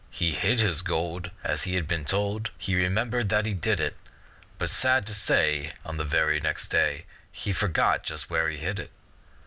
He hid his gold, As has been told, He remembered that he did it; But sad to say, On the very next day, He forgot just where he hid it.